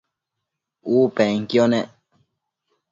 U penquio nec